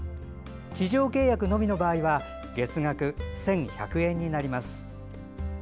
地上契約のみの場合は月額１１００円になります。